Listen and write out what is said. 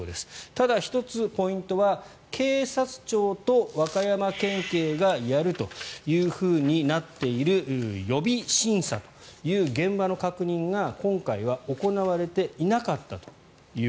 ただ１つポイントは警察庁と和歌山県警がやるというふうになっている予備審査という現場の確認が今回は行われていなかったと。